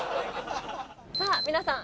さぁ皆さん